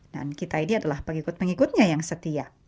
kita ini adalah pengikut pengikutnya yang setia